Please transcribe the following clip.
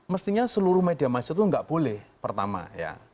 mestinya seluruh media massa itu nggak boleh pertama ya